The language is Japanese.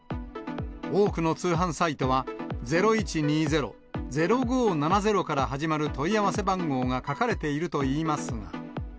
多くの通販サイトは、０１２０、０５７０から始まる問い合わせ番号が書かれているといいますが。